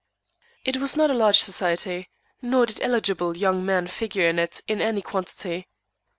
It was not a large society; nor did eligible young men figure in it in any quantity.